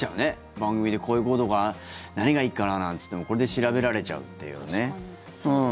番組でこういうことが何がいいかななんていってこれで調べられちゃうっていうね。